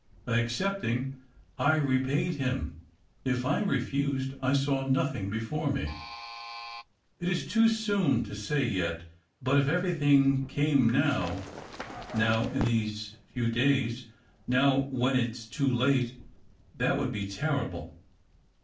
By accept ing, I repaid him ; if I refused, I saw nothing before me." " It is too soon to say yet. But if every thing came now — now in these few days — now when it is too late, that w^ould be terrible.